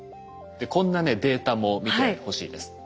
こんなねデータも見てほしいです。